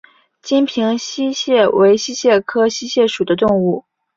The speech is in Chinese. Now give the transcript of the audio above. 金平溪蟹为溪蟹科溪蟹属的动物。